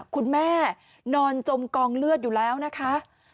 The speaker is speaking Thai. คุณแม่นอนจมกองเลือดอยู่แล้วนะคะ